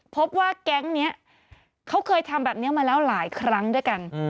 พบว่าแก๊งนี้เขาเคยทำแบบนี้มาแล้วหลายครั้งด้วยกัน